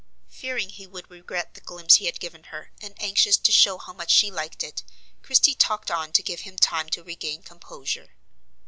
Fearing he would regret the glimpse he had given her, and anxious to show how much she liked it, Christie talked on to give him time to regain composure.